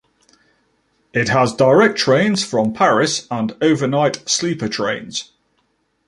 It has direct trains from Paris and overnight sleeper trains.